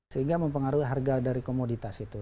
sehingga mempengaruhi harga dari komoditas itu